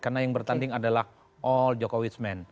karena yang bertanding adalah all jokowitsma